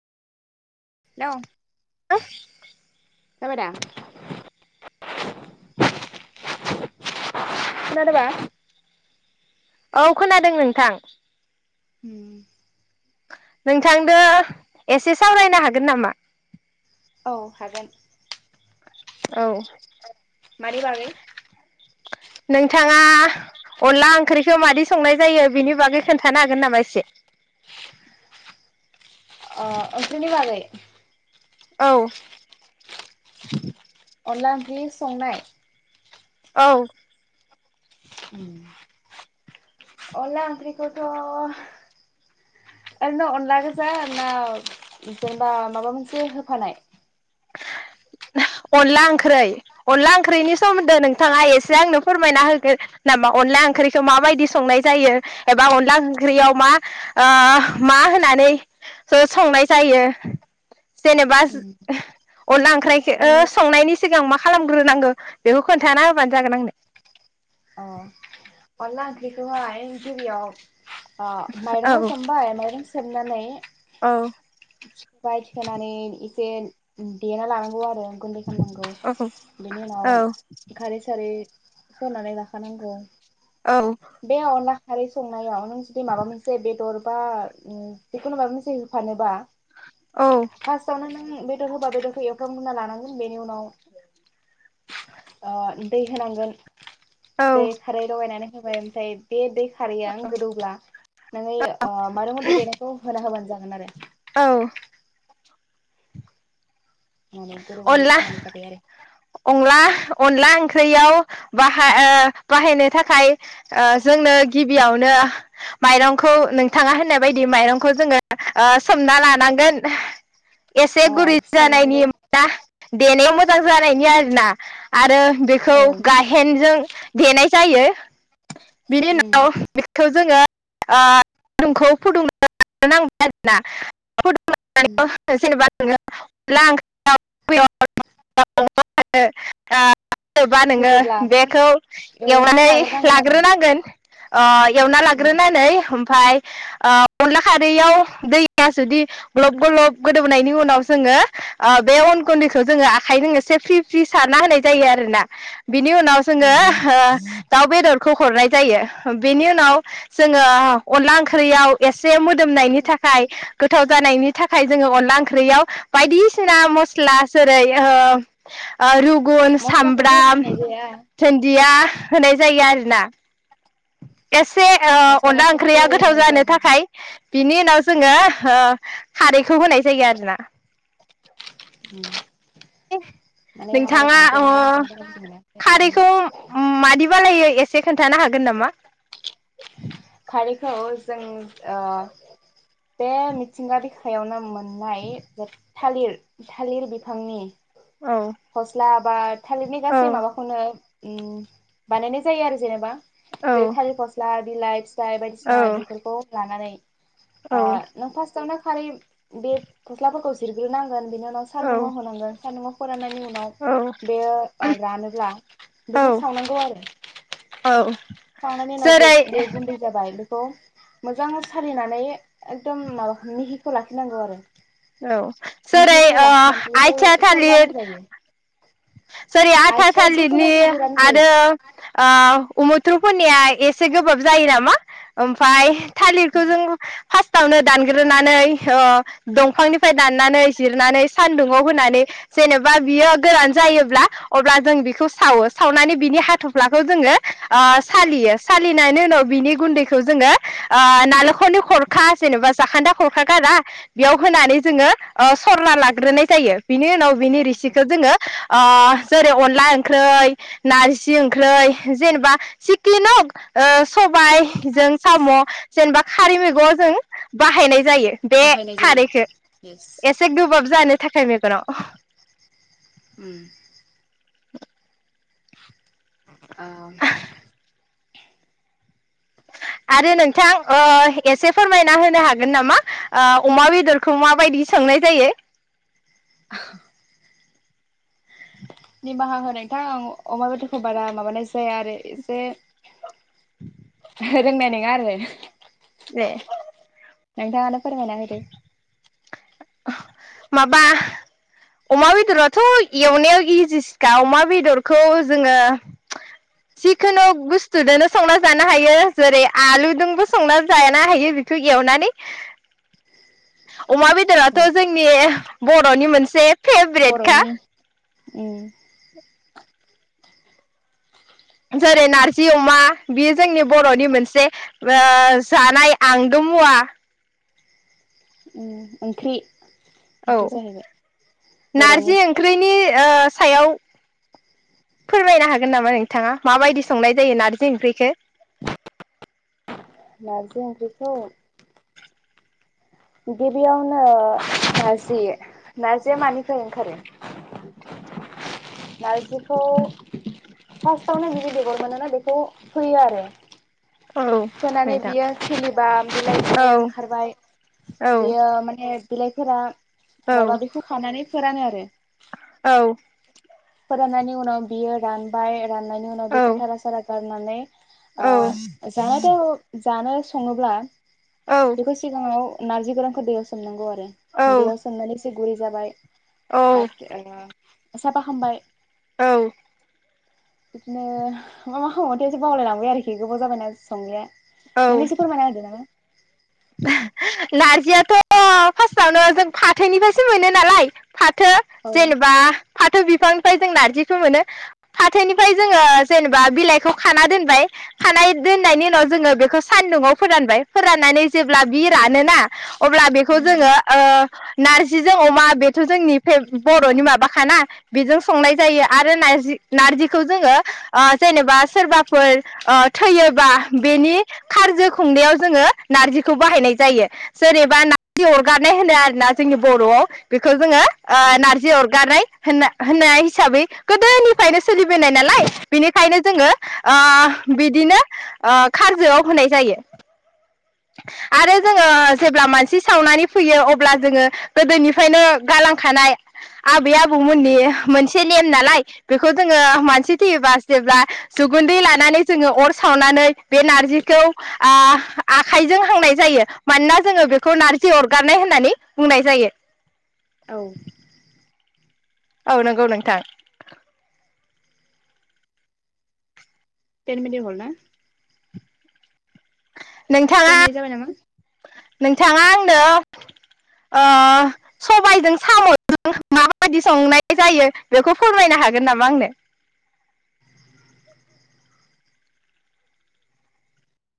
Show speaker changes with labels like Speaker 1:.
Speaker 1: Hello
Speaker 2: [unintelligible]
Speaker 1: जाबाय दा खोनादों बा?
Speaker 2: औ खोनादों नोंथां।
Speaker 1: उम
Speaker 2: नोंथांजों एसे सावरायनो हागोन नामा?
Speaker 1: औ हागोन।
Speaker 2: औ।
Speaker 1: मानि बागै?
Speaker 2: नोंथाङा अनला ओंख्रिखौ मादि संनाय जायो बिनि बागै खोन्थानो हागोन नामा एसे।
Speaker 1: अ ओंख्रिनि बागै [inaudible]
Speaker 2: औ।
Speaker 1: अनला ओंख्रि संनाय
Speaker 2: औ।
Speaker 1: अनला ओंख्रिखौथ ओरैनो अनला गोजा ना जेनेबा माबा मोनसे होफानाय?
Speaker 2: अनला ओंख्रै अनला ओंख्रिनि सोमोन्दै नोंथाङा एसे आंनो फोरमायना होगोन नामा अनला ओंख्रिखौ माबायदि संनाय जायो एबा अनला ओंख्रियाव मा मा होनानै संनाय जायो। जेनेबा जो अनला ओंख्राइखौ
Speaker 1: अनला
Speaker 2: संनायनि सि सिगां मा खालामग्रोनांगौ बेखौ खोन्थाना होबानो जागोन आंनो
Speaker 1: अ अनला ओंख्रिखौहाय गिबियाव अ माइरंखौ
Speaker 2: आंनो
Speaker 1: सोमबाय माइरं सोमनानै
Speaker 2: औ औ
Speaker 1: [unintelligible] दे देना लानांगौ आरो गुन्दै खालामनांगौ
Speaker 2: औ
Speaker 1: बेनि उनाव खारै सारै [unintelligible] नांगौ।
Speaker 2: औ
Speaker 1: बे अला खारै संनायाव नों जुदि माबा मोनसे बेदर बा बेखौननो माबा मोनसे होफानोबा फास आवनो नो बेदर होबा बेदरखौ एवफ्रामग्रोनना लानांगोन बेनि उनाव ओ दै होनांगोन दै
Speaker 2: औ
Speaker 1: खारै लगाय नानानै। जाबाय ओमफ्राय बे दै हारिया गोदौब्ला नोङो ओ माइरं गुनदै देनायखौ होना होबा जागोन आरो
Speaker 2: औ।
Speaker 1: मनानै गोदोरबाय
Speaker 2: अनला
Speaker 1: होमबानो जाबाय आरो
Speaker 2: अनला अनला ओंख्रियाव बाहा ओ बाहायनो थाखाय जोंनो गिबियावनो माइरंखौ नोंथाङा होननाय बायदि माइरंखौ जोङो सोमना लानांगोन। एसे
Speaker 1: अ
Speaker 2: गुरै
Speaker 1: सोमनांगौ
Speaker 2: जानायनि देनायावमोन [unintelligible] ना आरो बेखौ
Speaker 1: औ
Speaker 2: गायहेनजों देनाय जायो बिनि
Speaker 1: उम
Speaker 2: उनाव बेखौ जोङो ओ दैदुंखौ फुदुंना नांबाय आरोना [unintelligible] [unintelligible] [unintelligible]
Speaker 1: उम
Speaker 2: जेनबा नोङो
Speaker 1: होयोब्ला नों
Speaker 2: बेखौ एवनानै लाग्रोनांगोन ओ एवना
Speaker 1: उम
Speaker 2: लाग्रोनानै ओमफाय ओ अनला खारैयाव दैया जुदि ग्लब ग्लब गोदौनायनि उनाव जोङो ओ बे अन गुन्दैखौ जोङो आखाइजों एसे फि फि साराना होनाय जायो आरो ना। बिनि उनाव जोङो
Speaker 1: उम
Speaker 2: ओ दाउ बेदरखौ हरनाय जायो। बेनि उनाव जोङो अनला ओंख्रियाव एसे मो दोमनायनि थाखाय गोथाव जानायनि थाखाय जोङो अनला ओंख्रियाव बायदिसिना मस्ला स्ला जेरै ओ ओ रु गुन,
Speaker 1: मस्लाखौथ' ओरै
Speaker 2: सामब्राम,
Speaker 1: होनाय जाया
Speaker 2: दुन्दिया होनाय जायो आरो ना एसे ओ
Speaker 1: मस्ला
Speaker 2: अनला
Speaker 1: मस्लिखौथ'
Speaker 2: ओंख्रिया
Speaker 1: ओरै
Speaker 2: गोथाव
Speaker 1: होनाय जाया
Speaker 2: जानो
Speaker 1: दे
Speaker 2: थाखाय बिनि उनाव जोङो ओ खारैखौ होनाय जायो आरोना
Speaker 1: उ [inaudible] माने आं बारा
Speaker 2: नोंथाङा
Speaker 1: संबाय
Speaker 2: ओ
Speaker 1: थाया नालाय [unintelligible]
Speaker 2: खालायै एसे खोन्थानो हागोन नामा?
Speaker 1: बेखौ जों ओ बे मिथिंगा बिखायावनो मोन नाय थालिर थालिर बिफांनि
Speaker 2: औ
Speaker 1: फस्ला बा थालिरनि
Speaker 2: औ
Speaker 1: गासै माबाखौनो उम बानायनाय जायो आरो जेनेबा
Speaker 2: औ
Speaker 1: जेरै थालिर फस्ला बिलाइ फिथाइ
Speaker 2: औ
Speaker 1: बायदिसिना बेफोरखौ लानानै अ
Speaker 2: औ
Speaker 1: नों फास्टावनो थालिर बे फस्लाफोरखौ जिरग्रोनां गोन बिनि उनाव
Speaker 2: औ
Speaker 1: सानदुङाव होनांगोन सानदुङाव फोरान्नायनि उ
Speaker 2: औ
Speaker 1: नाव बेयो ओ रानोब्ला बेखौ
Speaker 2: औ
Speaker 1: सावनांगौ आरो
Speaker 2: औ
Speaker 1: सावनायनि उनाव जे
Speaker 2: जेरै
Speaker 1: बेयो गुन्दै जाबाय बेखौ मोजां सालिनानै एकदम माबाखौ मिहिखौ लाखिनांगौ आरो
Speaker 2: औ जेरै
Speaker 1: मिहिखौ
Speaker 2: ओ
Speaker 1: लाखिनानै बेखौ
Speaker 2: आयथिया
Speaker 1: सरबानो
Speaker 2: थालिर
Speaker 1: जायो
Speaker 2: जेरै आयथिया
Speaker 1: आथिया जिखुनु
Speaker 2: थालिरनि
Speaker 1: थागिरानो जायो
Speaker 2: आरो ओ उमुथ्रुफोरनि आय एसे गोबाब जायो नामा? ओमफ्राय थालिरखौ जों फार्स्टआवनो दानग्रोनानै ओ दंफांनिफ्राय दाननानै जिरनानै सान्दुंङाव होनानै जेनेबा बियो गोरान जायोब्ला अब्ला जों बिखौ सावो सावनानै बिनि हाथफ्लाखौ जोङो ओ सालियो सालिनायनि उनाव बिनि गुन्दैखौ जोङो ओ नालेंखरनि खरखा जेनेबा जाखान्दा खरखा गारा बेयाव होनानै जोङो ओ सरला लाग्रोनाय जायो बिनि उनाव बिनि रिसिखौ जोङो ओ जेरै अनला ओंख्रै, नारजि ओंख्रै, जेनेबा सिखिनि हक सबायजों सामजेनेबा खारै मैगं जों बाहायनाय जायो। बे
Speaker 1: बाहायनाय जायो
Speaker 2: खारैखो
Speaker 1: येस
Speaker 2: एसे गोबाब जानो थाखाय मेगनाव
Speaker 1: उम । औ ।
Speaker 2: आरो नोंथां ओ एसे फोरमायना होनो हागोन नामा ओ अमा बेदरखौ माबायदि संनाय जायो?
Speaker 1: निमाहा हो नोंथां अमा बेदरखौ आं बारा माबानाय जाया आरो एसे रोंनाय नोङा आरो
Speaker 2: दे ।
Speaker 1: नोंथाङानो फोरमायना होदो ।
Speaker 2: माबा अमा बेदराथ' एवनायाव इजि सोखा। अमा बेदरखौ जोङो जिखुनु बुस्थुदोनो संना जानो हायो जेरै आलुजोंबो संना जानो हायो बेखौ एवनानै अमा बेदराथ' जोंनि बर'नि मोनसे फेभरेटखा
Speaker 1: बर'नि
Speaker 2: ।
Speaker 1: उम ।
Speaker 2: जेरै नारजि अमा बेयो जोंनि बर'नि मोनसे ओ जानाय आंगो मुवा।
Speaker 1: ओम ओंख्रि
Speaker 2: औ
Speaker 1: ओंख्रि जाहैबाय बर'नि
Speaker 2: नारजि ओंख्रिनि ओ सायाव फोरमायनो हागोन नामा नोंथाङा माबायदि संनाय जायो नारजि ओंख्रिखौ?
Speaker 1: नारजि ओंख्रिखौ? गिबियावनो ओ नारजि नारजिया मानिफ्राय ओंखारो? नारजिखौ फार्स्टआव नो बिदि बेगर मोनोना बेखौ फोयो आरो
Speaker 2: औ
Speaker 1: फोनानै
Speaker 2: नोंथां
Speaker 1: बियो खिलिबा लिबाइ
Speaker 2: औ
Speaker 1: बुलाय ओंखारबाय
Speaker 2: औ
Speaker 1: बेयो माने बिलाइफोरा
Speaker 2: औ
Speaker 1: राबा बिखौ खानानानै फोरानो आरो
Speaker 2: औ ।
Speaker 1: फोराननायनि उनाव बियो रानबाय राननायनि उनाव
Speaker 2: औ
Speaker 1: बेखौ थारा सारा गार माने आ
Speaker 2: औ
Speaker 1: [unintelligible] थ जानो सङोब्ला
Speaker 2: औ
Speaker 1: बेखौ सिगाङाव नारजि गोरानखौ दैयाव सोमनांगौ आर रो दैयाव सोमनानै इसे गुरै जाबाय
Speaker 2: औ
Speaker 1: बाद ओ साफा खामबाय
Speaker 2: औ
Speaker 1: इदिनो मा मा खामो मोनथाय इसे बावलायलांबाय आरोखि गोबाव जाबायना संलिया
Speaker 2: औ औ
Speaker 1: नोंनो इसे फोरमायना होदो नामा?
Speaker 2: नारजियाथ फास्टाआवनो जों फाथोनिफ्रायसो मोनो नालाय। फाथो
Speaker 1: औ
Speaker 2: जेनेबा फाथो बिफांनिफ्राय जों नारजिखौ मोनो फाथोनिफ्राय जोङो जेनेबा बिलाइखौ खाना दोनबाय खानाय दोननायनि उनाव जोङो बेख खौ सानदुङआव फोरानबाय। फोराननानै जेब्ला बि रानोना अब्ला बेखौ जोङो ओ नारज जि जों अमा बेख थ जोंनि फेब बरनि माबाखाना। बेजों संनाय जायो आरो नायजि नारजिखौ जोङो ओ जेनेबा सोरबाफोर ओ थैयोबा बेनि खारजो खुंनायाव जोङो नारजिखौ बाहायनाय जायो सोर एबा नारजि अरगारनाय होनो आरोना जोंनि बरआव बेखौ जोङो ओ नारजि अरगारनाय। होनना होननाय हिसाबै गोदोनिफ्रायनो सोलिबोनाय नालाय बेनिखायनो जोङो ओ बिदिनो ओ खारजोआव होनाय जायो। आरो जोङो जेब्ला मानसि सावनानै फैयो अब्ला जोङो गोदोनिफ्रायनो गालांखानाय आबै आबौमोननि मोनसे नेम नालाय बेखौ जोङो मानसि थैयोबा जेब्ला जुगुन्दै लानानै जोङो अर सावनानै बे नारजिखौ ओ आखाइजों हांनाय जायो मानोना जोङो बेखौ नारजि अरगारनाय होननानै बुंनाय जायो।
Speaker 1: औ
Speaker 2: औ नंगौ नोंथां
Speaker 1: तेन मिनिट हल ना?
Speaker 2: नोंथाङा
Speaker 1: टेन मिनिट जाबाय नामा
Speaker 2: नोंथाङा आं नो ओ सबाइजों सामजों माबायदि संनाय जायो बेखौ फोरमायनो हागोन नामा आंनो